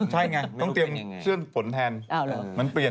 ใช่ไงต้องเตรียมเสื้อฝนแทนมันเปลี่ยน